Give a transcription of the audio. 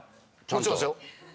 もちろんですよ。